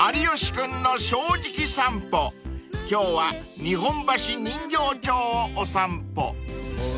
［今日は日本橋人形町をお散歩］